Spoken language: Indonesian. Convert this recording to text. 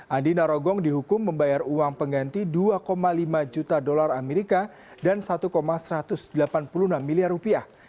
andi narogong dihukum membayar uang pengganti dua lima juta dolar amerika dan satu satu ratus delapan puluh enam miliar rupiah